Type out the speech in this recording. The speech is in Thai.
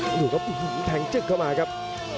หรือว่าหื้อแทงจึ๊กเข้ามาครับ